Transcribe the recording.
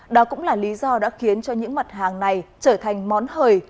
đó cũng là lý do đã khiến cho những mặt hàng này trở thành món hời